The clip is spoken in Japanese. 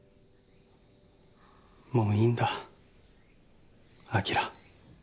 もういいんだ明